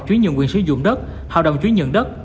chú ý nhuận quyền sử dụng đất hợp đồng chú ý nhuận đất